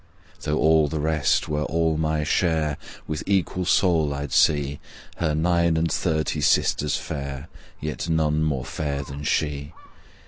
Though all the rest were all my share, With equal soul I'd see Her nine and thirty sisters fair, Yet none more fair than she.